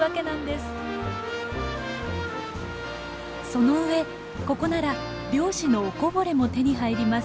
そのうえここなら漁師のおこぼれも手に入ります。